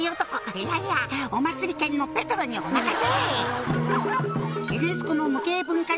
いやいやお祭り犬のペトロにお任せ！」